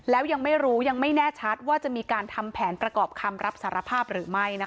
แล้วยังไม่รู้ยังไม่แน่ชัดว่าจะมีการทำแผนประกอบคำรับสารภาพหรือไม่